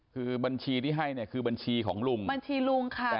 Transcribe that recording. คือบัญชีที่ให้เนี่ยคือบัญชีของลุงบัญชีลุงค่ะ